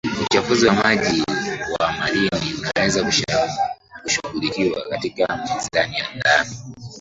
Uchafuzi wa maji wa marini unaweza kushughulikiwa katika mizani ya ndani